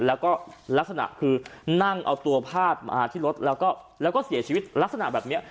แล้วก็ลักษณะคือนั่งเอาตัวพาดมาที่รถแล้วก็เสียชีวิตลักษณะแบบนี้